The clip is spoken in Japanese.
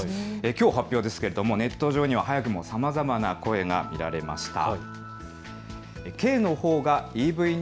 きょう発表ですがネット上にも早くもさまざまな声が見られました。